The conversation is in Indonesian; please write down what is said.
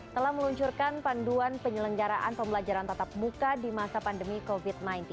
telah meluncurkan panduan penyelenggaraan pembelajaran tatap muka di masa pandemi covid sembilan belas